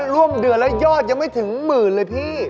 ร่วมเดือนแล้วยอดยังไม่ถึงหมื่นเลยพี่